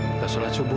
kita sholat subuh